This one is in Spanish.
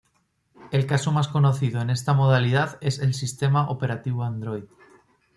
El caso más conocido en esta modalidad es el sistema operativo Android.